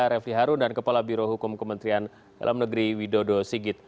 refli harun dan kepala biroh hukum kementerian dalam negeri widodo sigit